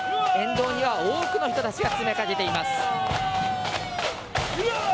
沿道に多くの人たちが詰めかけています。